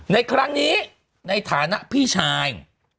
ในครั้งนี้ในฐานะพี่ชาย